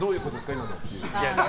今のって。